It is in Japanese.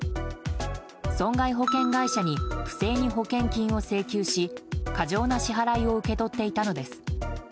損害保険会社に不正に保険金を請求し過剰な支払いを受け取っていたのです。